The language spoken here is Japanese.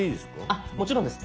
あっもちろんです。